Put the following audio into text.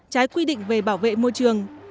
trái quy định về bảo vệ môi trường